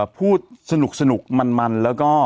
พูดสนุกมันแล้วก็